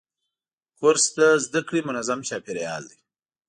کورس د زده کړې منظم چاپېریال دی.